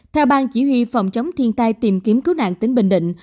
theo bang chỉ huy phòng chống thiên tai tìm kiếm cứu nạn tỉnh bình định